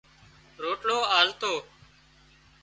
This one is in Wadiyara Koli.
روٽلو آلتو